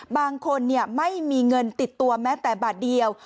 บางคนไม่มีเงินติดตัวแม้แต่บาทเดียว